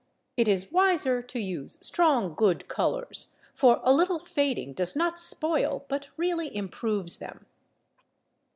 It is wiser to use strong good colours, for a little fading does not spoil but really improves them.